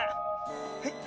えっ⁉